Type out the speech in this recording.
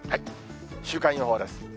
週間予報です。